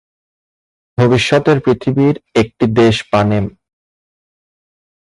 ভবিষ্যতের পৃথিবীর একটি দেশ পানেম।